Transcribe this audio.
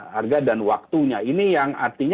harga dan waktunya ini yang yang paling penting ya